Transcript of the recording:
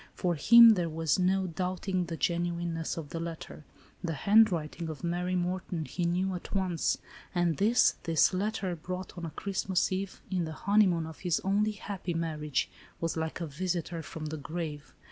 For him there was no doubting the genuineness of the letter. The handwriting of Mary Morton he knew at once, and this, this letter, brought on a Christmas eve, in the honeymoon of his only happy marriage, was like a visitor from the grave.